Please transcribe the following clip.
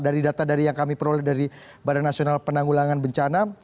dari data dari yang kami peroleh dari badan nasional penanggulangan bencana